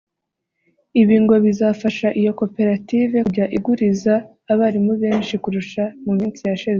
Ibi ngo bizafasha iyo koperative kujya iguriza abarimu benshi kurusha mu minsi yashize